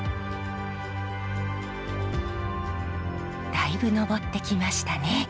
だいぶ上ってきましたね。